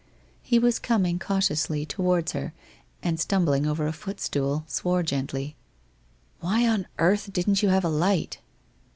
... He was coming cautiously towards her, and stumbling over a footstool, swore gently. 'Why on earth didn't you have a light?'